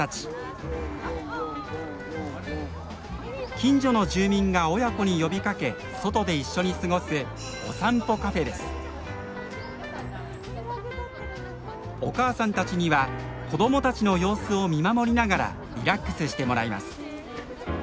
近所の住民が親子に呼びかけ外で一緒に過ごすお母さんたちには子どもたちの様子を見守りながらリラックスしてもらいます。